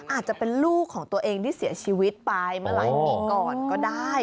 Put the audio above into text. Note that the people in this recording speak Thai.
อาจจะเป็นลูกของตัวเองที่เสียชีวิตไปเมื่อหลายปีก่อนก็ได้